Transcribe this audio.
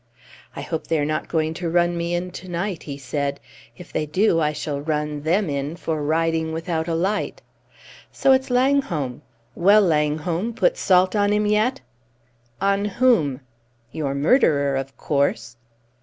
"I hope they are not going to run me in to night," he said. "If they do, I shall run them in for riding without a light. So it's Langholm! Well, Langholm, put salt on him yet?" "On whom?" "Your murderer, of course."